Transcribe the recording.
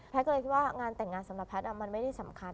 ก็เลยคิดว่างานแต่งงานสำหรับแพทย์มันไม่ได้สำคัญ